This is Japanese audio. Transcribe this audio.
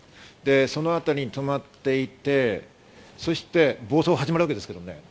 そのあたりに止まっていて、そして暴走が始まるわけですね。